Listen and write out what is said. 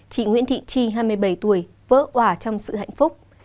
chị nguyễn thị tri hai mươi bảy tuổi vỡ quả trong sự hạnh phúc